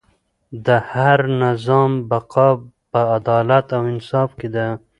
د هر نظام بقا په عدالت او انصاف کې ده.